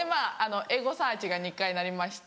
エゴサーチが日課になりまして。